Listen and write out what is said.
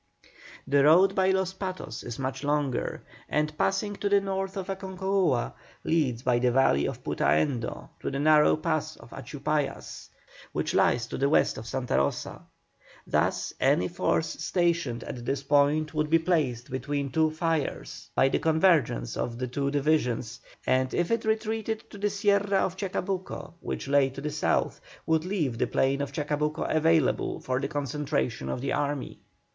The road by Los Patos is much longer, and, passing to the north of Aconcagua, leads by the valley of Putaendo to the narrow pass of Achupallas, which lies to the west of Santa Rosa. Thus any force stationed at this point would be placed between two fires by the convergence of the two divisions, and if it retreated to the Sierra of Chacabuco which lay to the south, would leave the plain of Chacabuco available for the concentration of the army.